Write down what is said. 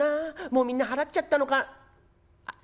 もうみんな払っちゃったのかあっ